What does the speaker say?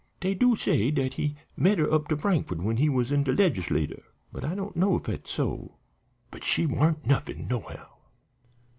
Dey do say dat he met her up to Frankfort when he was in de Legislator, but I don't know if dat's so. But she warn't nuffin, nohow."